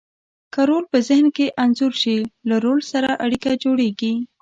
که رول په ذهن کې انځور شي، له رول سره اړیکه جوړیږي.